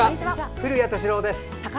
古谷敏郎です。